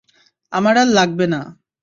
আমার আর লাগবে না!